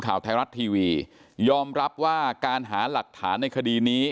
ข่าวไทยรัฐทีวียอมรับว่าการหาหลักฐานในคดีนี้